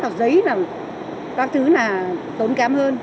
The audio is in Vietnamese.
giấy là các thứ là tốn kém hơn